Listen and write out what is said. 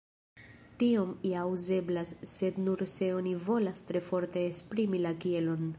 Tiom ja uzeblas, sed nur se oni volas tre forte esprimi la kielon.